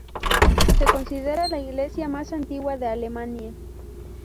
Se considera la iglesia más antigua de Alemania.